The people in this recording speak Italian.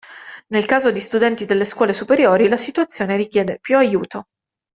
Nel caso di studenti delle scuole superiori la situazione richiede più aiuto.